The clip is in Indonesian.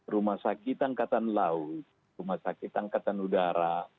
rumah sakit angkatan laut rumah sakit angkatan udara